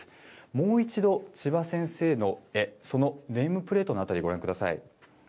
もう一度、ちば先生の絵、そのネームプレートの辺り、ご覧ください。